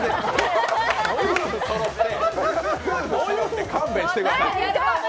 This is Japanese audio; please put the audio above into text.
ご夫婦そろって勘弁してください。